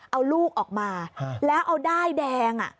เอาลูกออกมาแล้วเอาด้ายแดง